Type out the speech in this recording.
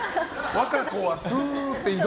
和歌子はスーって移動。